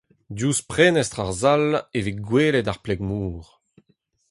Diouzh prenestr ar sal e vez gwelet ar pleg-mor !